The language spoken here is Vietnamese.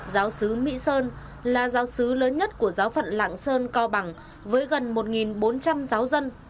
giáo sứ mỹ sơn là giáo sứ lớn nhất của giáo phận lạng sơn cao bằng với gần một bốn trăm linh giáo dân